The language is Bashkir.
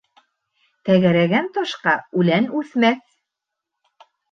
Тәгәрәгән ташҡа үлән үҫмәҫ.